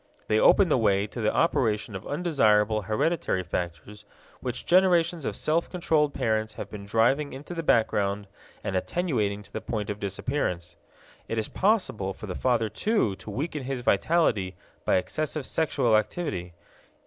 They open the way to the operation of undesirable hereditary factors which generations of self controlled parents have been driving into the background and attenuating to the point of disappearance. It is possible for the father, too, to weaken his vitality by excessive sexual activity.